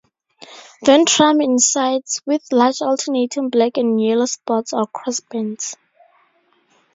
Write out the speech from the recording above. Ventrum and sides with large alternating black and yellow spots or crossbands.